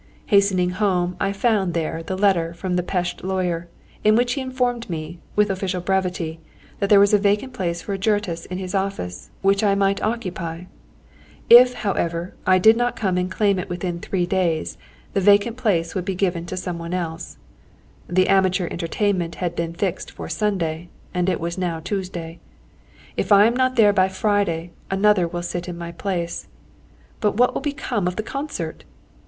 Hastening home, I found there the letter from the Pest lawyer, in which he informed me, with official brevity, that there was a vacant place for a juratus in his office, which I might occupy. If, however, I did not come and claim it within three days, the vacant place would be given to some one else. The amateur entertainment had been fixed for Sunday, and it was now Tuesday. If I am not there by Friday, another will sit in my place. But what will become of the concert?